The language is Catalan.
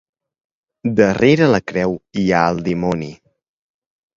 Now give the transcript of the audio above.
Darrere la creu hi ha el dimoni.